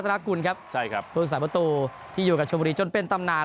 นากุลครับใช่ครับผู้สาประตูที่อยู่กับชมบุรีจนเป็นตำนาน